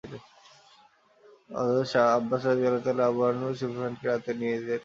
হযরত আব্বাস রাযিয়াল্লাহু আনহু আবু সুফিয়ানকে রাতে নিজের সাথে রাখেন।